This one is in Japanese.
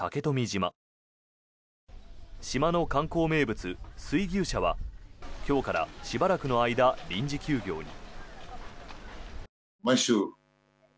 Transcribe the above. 島の観光名物、水牛車は今日からしばらくの間臨時休業に。